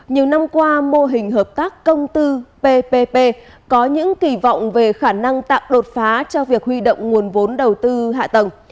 nhiều năm qua mô hình hợp tác công tư ppp có những kỳ vọng về khả năng tạo đột phá cho việc huy động nguồn vốn đầu tư hạ tầng